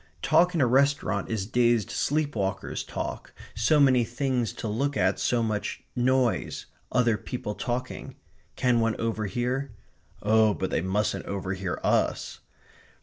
Talk in a restaurant is dazed sleep walkers' talk, so many things to look at so much noise other people talking. Can one overhear? Oh, but they mustn't overhear US.